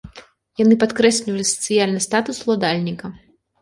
Яны падкрэслівалі сацыяльны статус ўладальніка.